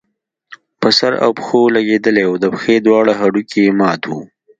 په سر او پښو لګېدلی وو، د پښې دواړه هډوکي يې مات وو